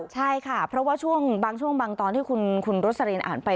ใช่ค่ะเพราะว่าช่วงบางช่วงบางตอนที่คุณโรสลินอ่านไป